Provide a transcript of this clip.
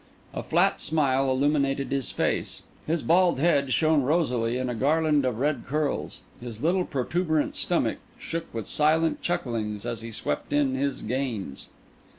A flat smile illuminated his face; his bald head shone rosily in a garland of red curls; his little protuberant stomach shook with silent chucklings as he swept in his gains.